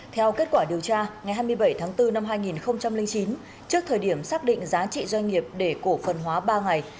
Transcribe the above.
theo kết quả điều tra ngày hai mươi bảy tháng bốn năm hai nghìn chín trước thời điểm xác định giá trị doanh nghiệp để cổ phần hóa ba ngày